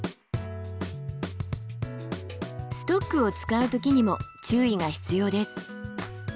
ストックを使う時にも注意が必要です。